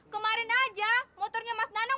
kemarin aja motornya mas nano